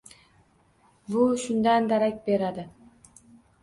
Bu shundan darak beradi.